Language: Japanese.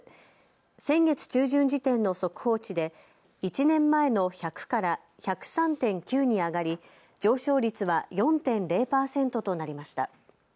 先月中旬時点の速報値で１年前の１００から１０３．９に上がり、上昇率は４．０％となりました。